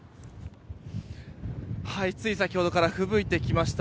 つい先ほどからふぶいてきました。